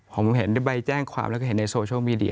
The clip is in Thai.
ผมเห็นด้วยใบแจ้งความแล้วก็เห็นในโซเชียลมีเดีย